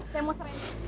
saya mau sering